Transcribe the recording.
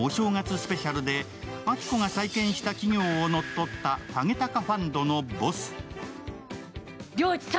スペシャルで亜希子が再建した企業を乗っ取ったハゲタカファンドのボス。